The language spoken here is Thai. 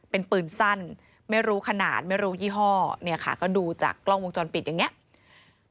เป็นปืนสั้นไม่รู้ขนาดไม่รู้ยี่ห้อเนี่ยค่ะก็ดูจากกล้องวงจรปิดอย่างนี้